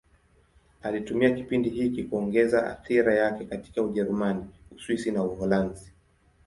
Alitumia kipindi hiki kuongeza athira yake katika Ujerumani, Uswisi na Uholanzi.